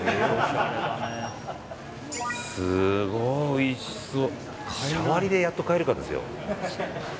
すごいおいしそう。